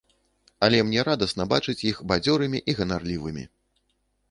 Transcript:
Але мне радасна бачыць іх бадзёрымі і ганарлівымі.